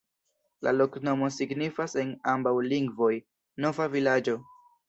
La loknomo signifas en ambaŭ lingvoj: nova vilaĝo.